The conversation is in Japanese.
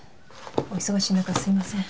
お忙しい中すいません。